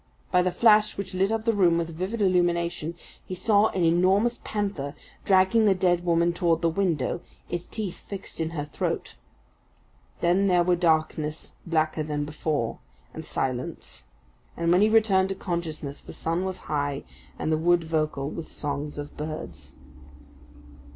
By the flash which lit up the room with a vivid illumination, he saw an enormous panther dragging the dead woman toward the window, its teeth fixed in her throat! Then there were darkness blacker than before, and silence; and when he returned to consciousness the sun was high and the wood vocal with songs of birds.